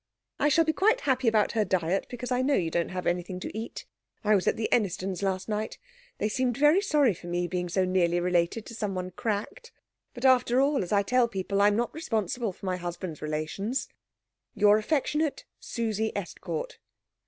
I shall be quite happy about her diet, because I know you don't have anything to eat. I was at the Ennistons' last night. They seemed very sorry for me being so nearly related to somebody cracked; but after all, as I tell people, I'm not responsible for my husband's relations. Your affectionate, SUSIE ESTCOURT.